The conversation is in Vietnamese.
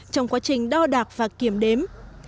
trong quá trình đo đạc và kiểm đếm